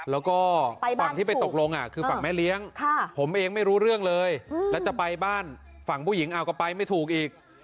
แล้วก็ฝั่งที่ไปตกลงคือฝั่งแม่เลี้ยงผมเองไม่รู้เรื่องเลยแล้วจะไปบ้านฝั่งผู้หญิงเอาก็ไปไม่ถูกอีก